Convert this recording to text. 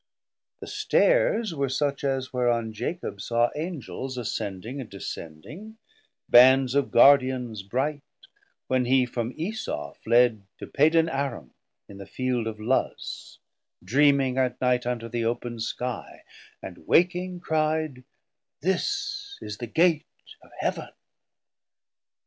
The Stairs were such as whereon Jacob saw 510 Angels ascending and descending, bands Of Guardians bright, when he from Esau fled To Padan aram in the field of Luz, Dreaming by night under the open Skie, And waking cri'd, This is the Gate of Heav'n.